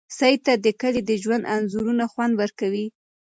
سعید ته د کلي د ژوند انځورونه خوند ورکوي.